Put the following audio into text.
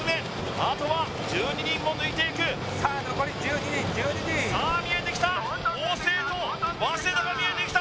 あとは１２人を抜いていくさあ見えてきた法政と早稲田が見えてきた